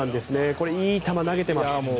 これ、いい球、投げてます。